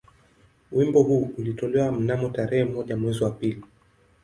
Wimbo huu ulitolewa mnamo tarehe moja mwezi wa pili